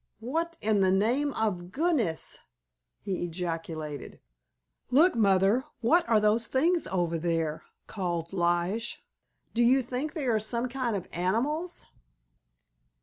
"What in the name of goodness——" he ejaculated. "Look, Mother, what are those things over there?" called Lige. "Do you think they are some kind of animals?"